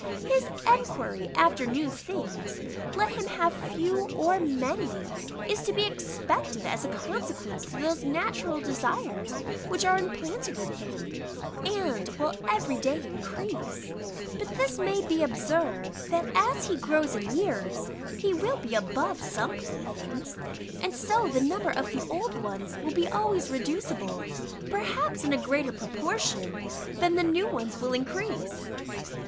His enquiry after new things, let him have few or many, is to be expected as a consequence to those natural desires which are implanted in him, and will every day increase: but this may be observed, that as he grows in years, he will be above some playthings, and so the number of the old ones will be always reducible, perhaps in a greater proportion, than the new ones will increase.